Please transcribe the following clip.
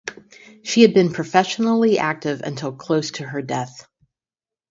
She had been professionally active until close to her death.